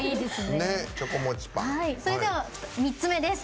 それでは３つ目です。